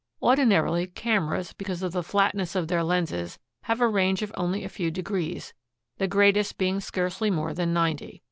Ordinarily cameras, because of the flatness of their lenses, have a range of only a few degrees, the greatest being scarcely more than ninety.